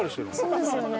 そうですよね。